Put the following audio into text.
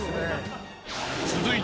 ［続いて］